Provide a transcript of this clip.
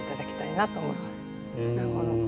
なるほど。